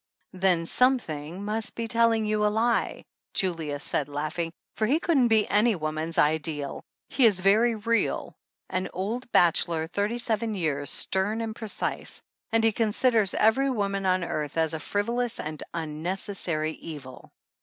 "Then 'something* must be telling you a lie," Julius said laughing, "for he couldn't be any woman's ideal. He is very real. An old bach elor, thirty seven years, stern and precise; and he considers every woman on earth as a frivolous and wwnecessary evil."